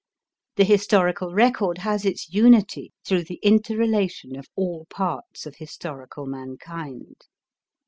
The historical record has its unity through the interrelation of all parts of historical mankind.